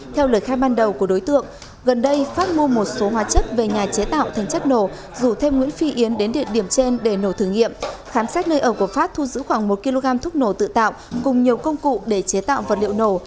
theo lời khai ban đầu của đối tượng gần đây phát mua một số hóa chất về nhà chế tạo thành chất nổ rủ thêm nguyễn phi yến đến địa điểm trên để nổ thử nghiệm khám xét nơi ở của phát thu giữ khoảng một kg thuốc nổ tự tạo cùng nhiều công cụ để chế tạo vật liệu nổ